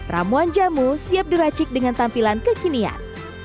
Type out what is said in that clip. ramuan jamu siap diracik dengan tampilan kekinian